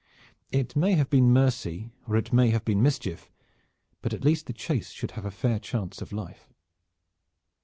It may have been mercy or it may have been mischief, but at least the chase should have a fair chance of life.